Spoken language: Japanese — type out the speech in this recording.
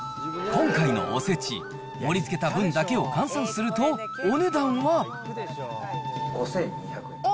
今回のおせち、盛りつけた分だけを換算すると、お値段は。おっ。